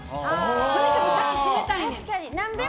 とにかく先閉めたいねん。